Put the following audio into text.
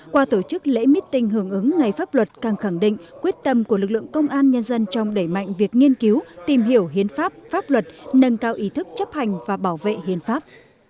qua tổ chức lễ meeting hưởng ứng ngày pháp luật càng khẳng định quyết tâm của lực lượng công an nhân dân trong đẩy mạnh việc nghiên cứu tìm hiểu hiến pháp pháp luật nâng cao ý thức chấp hành và bảo vệ hiến pháp